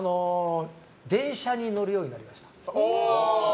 電車に乗るようになりました。